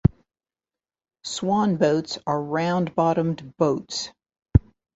Swan boats are round-bottomed boats.